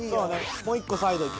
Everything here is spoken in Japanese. もう１個サイド。